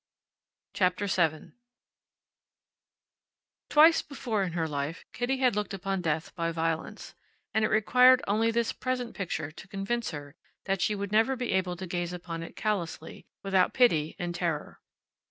CHAPTER VII Twice before in her life Kitty had looked upon death by violence; and it required only this present picture to convince her that she would never be able to gaze upon it callously, without pity and terror.